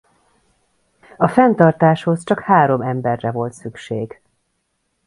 A fenntartáshoz csak három emberre volt szükség.